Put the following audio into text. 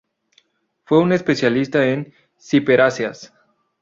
Fue un especialista en ciperáceas.